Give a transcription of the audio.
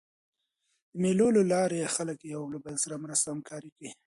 د مېلو له لاري خلک له یو بل سره مرسته او همکاري کوي.